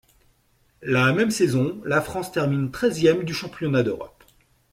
La même saison, la France termine treizième du championnat d'Europe.